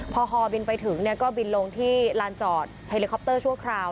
พอฮอบินไปถึงก็บินลงที่ลานจอดเฮลิคอปเตอร์ชั่วคราว